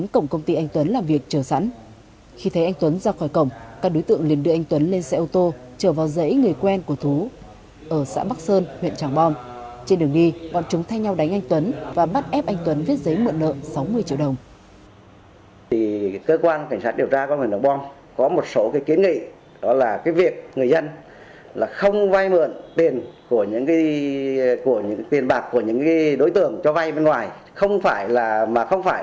cơ quan cảnh sát điều tra của huyện tràng bom có một số kiến nghị đó là việc người dân không vay mượn tiền bạc của những đối tượng cho vay bên ngoài